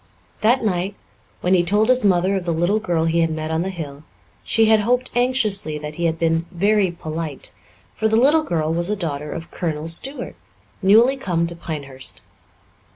That night, when he told his mother of the little girl he had met on the hill, she had hoped anxiously that he had been "very polite," for the little girl was a daughter of Colonel Stuart, newly come to Pinehurst.